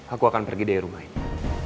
aku akan pergi dari rumah ini